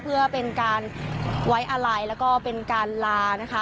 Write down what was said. เพื่อเป็นการไว้อาลัยแล้วก็เป็นการลานะคะ